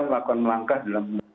melakukan langkah dalam